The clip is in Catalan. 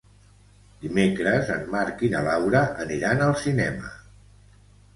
Dimecres en Marc i na Laura aniran al cinema.